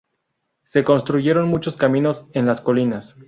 Se construyeron muchos caminos en las colinas.